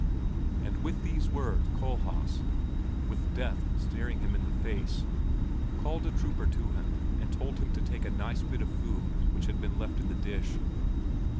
'" And with these words Kohlhaas, with death staring him in the face, called a trooper to him and told him to take a nice bit of food which had been left in the dish.